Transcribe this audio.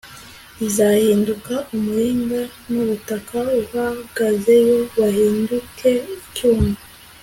rizahinduka umuringa, n'ubutaka uhagazeho buhinduke icyuma